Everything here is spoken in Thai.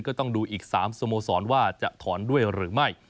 ก็ต้องดูอีก๓สโมสรว่าจะถอนด้วยหรือไม่